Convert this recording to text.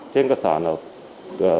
trên cơ sở nào